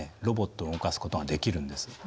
ロボットを動かすことができるんです。